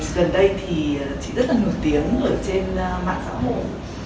gần đây thì chị rất là nổi tiếng ở trên mạng xã hội